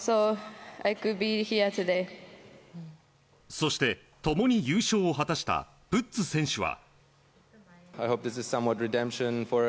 そして、共に優勝を果たしたプッツ選手は。